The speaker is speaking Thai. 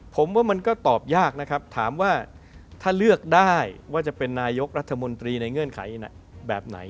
ผมว่ามันก็ตอบยากนะครับถามว่าถ้าเลือกได้ว่าจะเป็นนายกรัฐมนตรีในเงื่อนไขแบบไหน